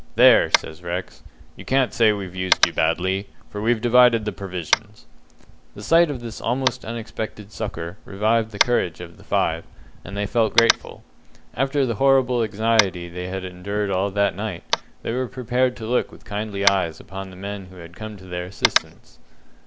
"There!" says Rex, "you can't say we've used you badly, for we've divided the provisions." The sight of this almost unexpected succour revived the courage of the five, and they felt grateful. After the horrible anxiety they had endured all that night, they were prepared to look with kindly eyes upon the men who had come to their assistance.